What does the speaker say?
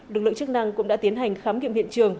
lực lượng chức năng cũng đã tiến hành khám nghiệm hiện trường